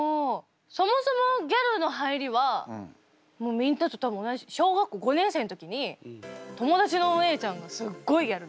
そもそもギャルの入りはみんなと同じ小学校５年生の時に友達のお姉ちゃんがすっごいギャルで。